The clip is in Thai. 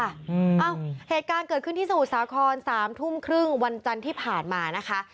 เอ้าเหตุการณ์เกิดขึ้นที่สมุทรสาครสามทุ่มครึ่งวันจันทร์ที่ผ่านมานะคะ